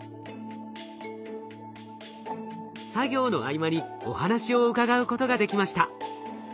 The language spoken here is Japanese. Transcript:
作業の合間にお話を伺うことができました。